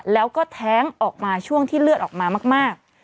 แล้วก็แท้งออกมาช่วงที่เลือดออกมามาก